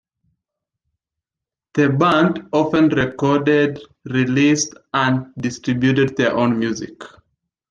The band often recorded, released and distributed their own music.